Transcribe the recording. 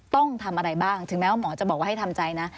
ต้องทำอะไรบ้างถึงแม้ว่าหมอจะบอกว่าให้ทำใจนะ